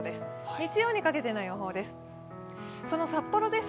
日曜にかけての予報です。